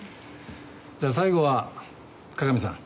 じゃあ最後は加賀美さん。